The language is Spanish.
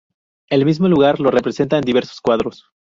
El mismo lugar lo representa en diversos cuadros.